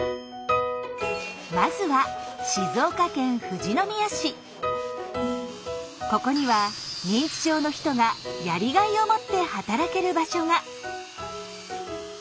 まずはここには認知症の人がやりがいを持って働ける場所が。